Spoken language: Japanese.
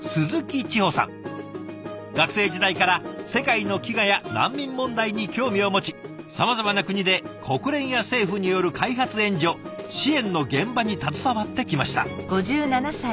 学生時代から世界の飢餓や難民問題に興味を持ちさまざまな国で国連や政府による開発援助支援の現場に携わってきました。